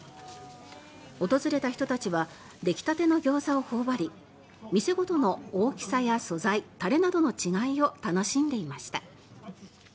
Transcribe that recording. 訪れた人たちは出来たてのギョーザを頬張り店ごとの大きさや素材タレなどの違いを楽しんでいました。